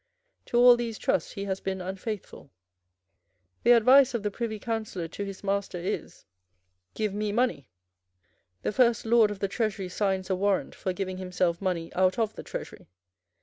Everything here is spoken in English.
To all these trusts he has been unfaithful. The advice of the privy councillor to his master is, 'Give me money.' The first Lord of the Treasury signs a warrant for giving himself money out of the Treasury.